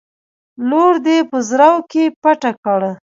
لور دې په زرو کې پټه کړه.